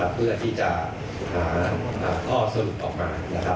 เพื่อที่จะหาข้อสรุปออกมา